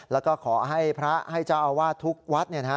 แล้วก็ขอให้พระให้เจ้าอาวาสทุกวัด